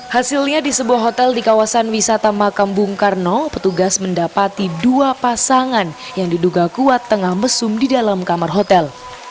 hasilnya di sebuah hotel di kawasan wisata makam bung karno petugas mendapati dua pasangan yang diduga kuat tengah mesum di dalam kamar hotel